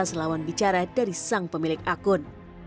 tidak selalu bicara dari sang pemilik akun